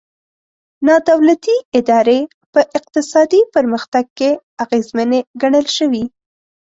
نا دولتي ادارې په اقتصادي پرمختګ کې اغېزمنې ګڼل شوي.